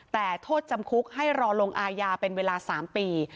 แต่โทษจำคุกให้รอลงอายาเป็นเวลา๓ปี